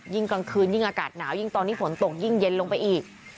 กลางคืนยิ่งอากาศหนาวยิ่งตอนนี้ฝนตกยิ่งเย็นลงไปอีก